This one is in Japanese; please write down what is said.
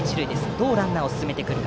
どう、ランナーを進めてくるか。